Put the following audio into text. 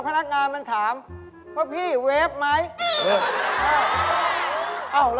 พอเราจะเดินออกถามอีกอย่าง